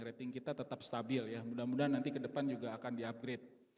rating kita tetap stabil ya mudah mudahan nanti ke depan juga akan di upgrade